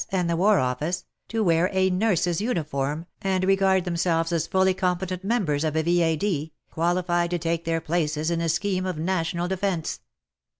and the War Office, to wear a nurse's uniform and regard themselves as fully competent members of a V.A.D., qualified to take their places in a scheme of National Defence.